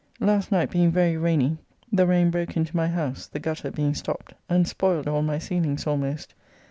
Last night being very rainy [the rain] broke into my house, the gutter being stopped, and spoiled all my ceilings almost.